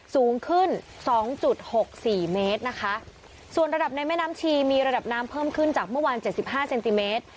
สูงขึ้นสองจุดหกสี่เมตรนะคะส่วนระดับในแม่น้ำชีมีระดับน้ำเพิ่มขึ้นจากเมื่อวานเจ็ดสิบห้าเซนติเมตร